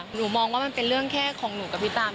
หนูมองว่ามันเป็นเรื่องแค่ของหนูกับพี่ตาม